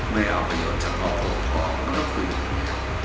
ไม่เอาประโยชน์เฉพาะผู้ก่อนแล้วคุยอยู่ในงาน